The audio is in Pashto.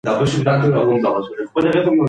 د دښمن مقابله وکړه.